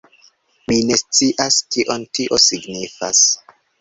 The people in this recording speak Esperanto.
Mi ne scias kion tio signifas...